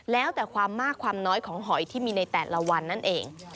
แล้วแต่ความมากความน้อยของหอยที่มีในแต่ละวันนั่นเอง